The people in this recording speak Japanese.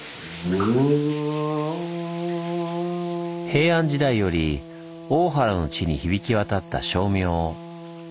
平安時代より大原の地に響き渡った声明。